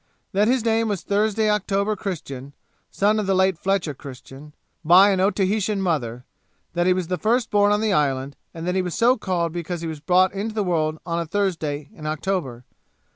that his name was Thursday October Christian, son of the late Fletcher Christian, by an Otaheitan mother; that he was the first born on the island, and that he was so called because he was brought into the world on a Thursday in October.